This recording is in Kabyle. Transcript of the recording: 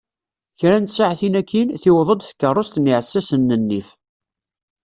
Kra n tsaɛtin akin, tiweḍ-d tkarrust n yiɛessassen n nnif.